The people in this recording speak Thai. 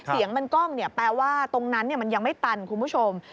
เสียงมันกล้องแปลว่าตรงนั้นยังไม่ตันครับคุณผู้ชม